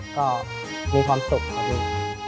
ก็มีความสุขครับลูก